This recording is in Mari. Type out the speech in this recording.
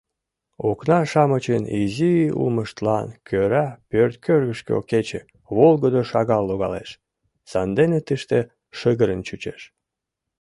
Окна-шамычын изи улмыштлан кӧра пӧрткӧргышкӧ кече волгыдо шагал логалеш, сандене тыште шыгырын чучеш.